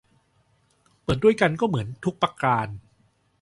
เปิดด้วย ก็เหมือน ทุกประการ